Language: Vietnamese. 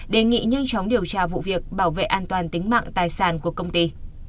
đề nghị nhanh chóng điều tra vụ việc bảo vệ an toàn tính mạng tài sản của công ty